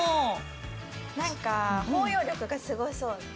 なんか包容力がすごそう。